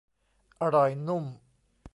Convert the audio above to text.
อร่อยนุ่ม